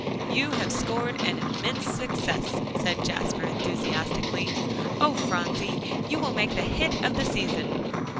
"You have scored an immense success," said Jasper enthusiastically. "Oh, Phronsie! you will make the hit of the season."